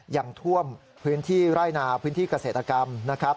ยังท่วมพื้นที่ไร่นาพื้นที่เกษตรกรรมนะครับ